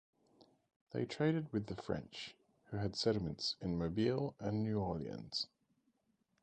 They traded with the French, who had settlements in Mobile and New Orleans.